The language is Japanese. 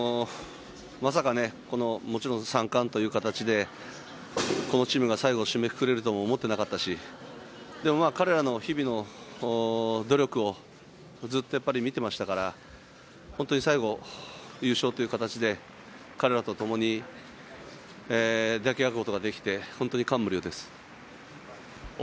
まさか３冠という形でこのチームが最後を締めくくれると思っていなかったし、彼らの日々の努力をずっと見ていましたから、本当に最後、優勝という形で彼らとともに抱き合うことができて本当に感無量です。